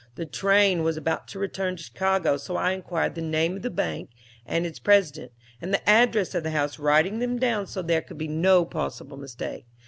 The train was about to return to Chicago, so I inquired the name of the bank and its president, and the address of the house, writing them down so there could be no possible mistake.